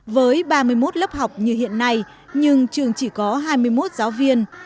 với ba mươi một lớp học như hiện nay nhưng trường chỉ có hai mươi một giáo viên